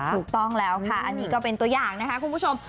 ถูกต้องแล้วค่ะอันนี้ก็เป็นตัวอย่างนะคะคุณผู้ชม